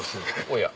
おや。